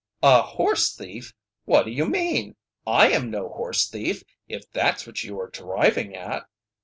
"A horse thief! What do you mean? I am no horse thief, if that's what you are driving at."